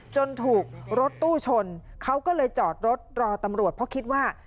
ถูกรถตู้ชนเขาก็เลยจอดรถรอตำรวจเพราะคิดว่า